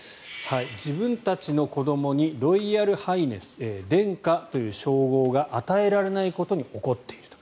自分たちの子どもにロイヤルハイネス殿下という称号が与えられないことに怒っていると。